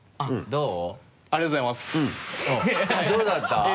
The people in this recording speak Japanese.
どうだった？